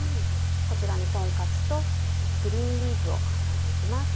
こちらにとんカツとグリーンリーフを挟んで行きます。